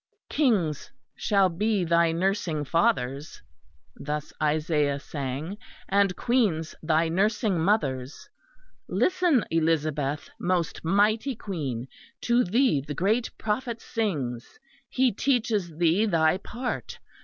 "'Kings shall be thy nursing fathers,' thus Isaiah sang, 'and Queens thy nursing mothers.' Listen, Elizabeth, most Mighty Queen! To thee the great Prophet sings! He teaches thee thy part.